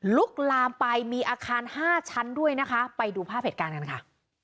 ลุกลามไปมีอาคาร๕ชั้นด้วยนะคะไปดูภาพเหตุการณ์กันค่ะ